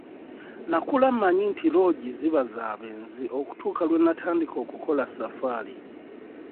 Nakula manyi nti loogi ziba za benzi okutuuka lwe natandika okukola safaari.